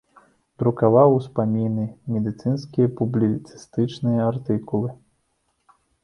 Друкаваў успаміны, медыцынскія публіцыстычныя артыкулы.